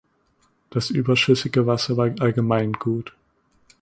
Das überschüssige Wasser war Allgemeingut.